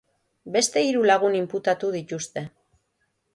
Beste hiru lagun inputatu dituzte.